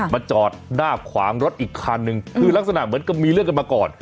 มาจอดหน้าขวางรถอีกคันนึงคือลักษณะเหมือนกับมีเรื่องกันมาก่อน